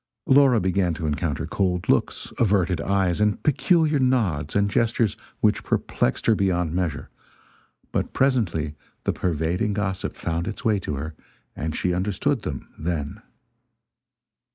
Laura began to encounter cold looks, averted eyes and peculiar nods and gestures which perplexed her beyond measure; but presently the pervading gossip found its way to her, and she understood them then.